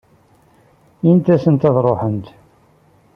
Init-asent ad ṛuḥent.